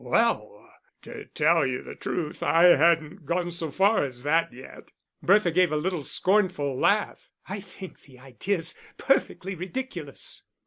"Well, to tell you the truth, I hadn't gone so far as that yet." Bertha gave a little scornful laugh. "I think the idea is perfectly ridiculous."